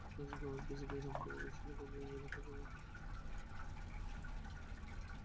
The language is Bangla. তেজগাঁও এফডিসি থেকে রামপুরা বনশ্রী এলাকায় নিজ বাসায় ফেরার সময় দুর্ঘটনাটি ঘটে।